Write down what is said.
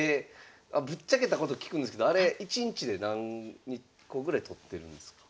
ぶっちゃけたこと聞くんですけどあれ１日で何個ぐらい撮ってるんですか？